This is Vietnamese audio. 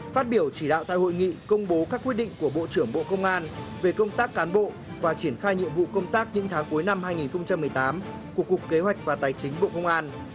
phát biểu chỉ đạo tại hội nghị công bố các quyết định của bộ trưởng bộ công an về công tác cán bộ và triển khai nhiệm vụ công tác những tháng cuối năm hai nghìn một mươi tám của cục kế hoạch và tài chính bộ công an